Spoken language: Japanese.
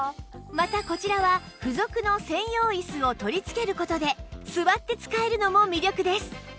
またこちらは付属の専用椅子を取り付ける事で座って使えるのも魅力です